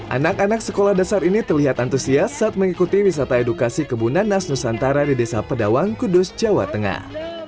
anak anak sekolah dasar ini terlihat antusias saat mengikuti wisata edukasi kebunan nas nusantara di desa pedawang kudus jawa tengah